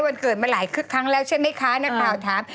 วันเกิดมาหลายคึกครั้งแล้วใช่ไหมคะนักข่าวถาม